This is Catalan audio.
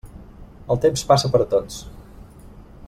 El temps passa per a tots.